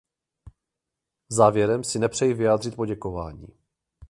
Závěrem si nepřeji vyjádřit poděkování.